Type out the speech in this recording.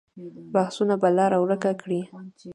بحثونه به لاره ورکه کړي.